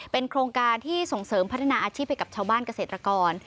โครงการที่ส่งเสริมพัฒนาอาชีพให้กับชาวบ้านเกษตรกร